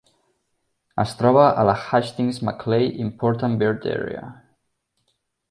Es troba a la Hastings-Macleay Important Bird Area.